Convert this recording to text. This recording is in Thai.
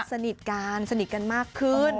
สนิทกันสนิทกันมากขึ้น